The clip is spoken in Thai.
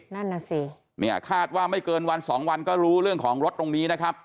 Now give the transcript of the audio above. นั่นน่ะสิเนี่ยคาดว่าไม่เกินวันสองวันก็รู้เรื่องของรถตรงนี้นะครับ